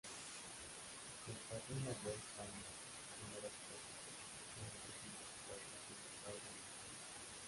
Con Carlina Blest Palma su primera esposa, tienen tres hijos: Patricio, Claudio, Marcela.